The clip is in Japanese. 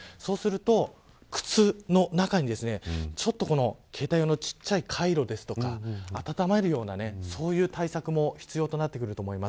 そうすると靴の中にですね携帯用の小さいカイロですとか温まるような、そういう対策も必要になってくると思います。